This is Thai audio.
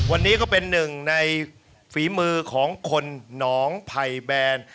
วันนี้ก็เป็น๑ในฝีมือของคนน้องไพแบรนด์